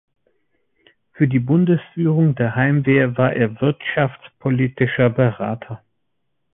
Für die Bundesführung der Heimwehr war er wirtschaftspolitischer Berater.